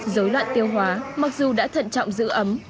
dối loạn tiêu hóa mặc dù đã thận trọng giữ ấm